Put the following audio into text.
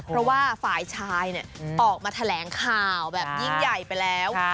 เพราะว่าฝ่ายชายออกมาแถลงข่าวแบบยิ่งใหญ่ไปแล้ว